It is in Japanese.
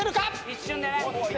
一瞬でね。